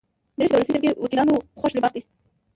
دریشي د ولسي جرګې وکیلانو خوښ لباس دی.